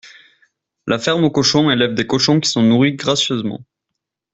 La ferme aux cochons élève des cochons qui sont nourris gracieusement.